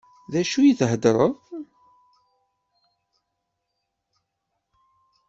D acu i d-theddṛeḍ?